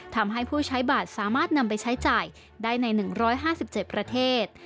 ทำให้ผู้ใช้บัตรสามารถนำไปใช้จ่ายได้ใน๑๕๗ประเทศ